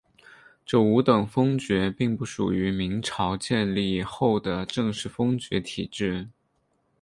这五等封爵并不属于明朝建立后的正式封爵体系。